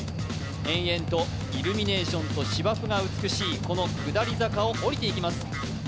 延々とイルミネーションと芝生が美しい下り坂を下りていきます。